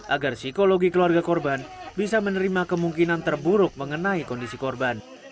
agar psikologi keluarga korban bisa menerima kemungkinan terburuk mengenai kondisi korban